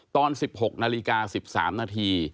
ตอน๑๖นาฬิกา๑๓นาที